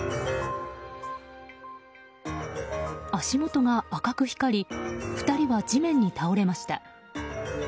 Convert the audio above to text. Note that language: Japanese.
足元が赤く光り２人は地面に倒れました。